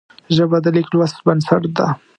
ژبه د لیک لوست بنسټ ده